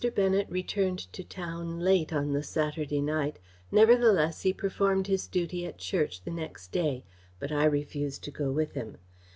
Bennet returned to town late on the Saturday night, nevertheless he performed his duty at church the next day, but I refused to go with him.